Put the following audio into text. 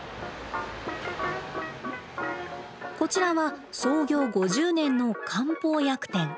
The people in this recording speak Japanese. こちらは創業５０年の漢方薬店。